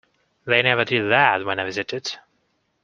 They never did that when I visited.